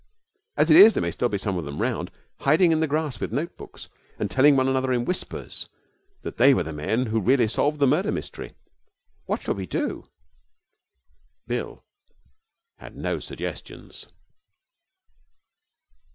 As it is, there may still be some of them round, hiding in the grass with notebooks, and telling one another in whispers that they were the men who really solved the murder mystery. What shall we do?' Bill had no suggestions.